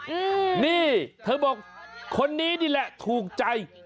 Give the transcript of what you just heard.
อืมนี่เธอบอกคนนี้นี่แหละถูกใจ